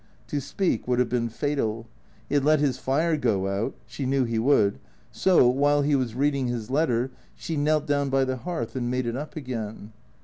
To speak would have been fatal. He had let his fire go out (she knew he would) ; so, while he was reading his letter, she knelt down by the hearth and made it up again.